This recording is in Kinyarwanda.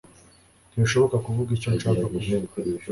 Ntibishoboka kuvuga icyo nshaka kuvuga!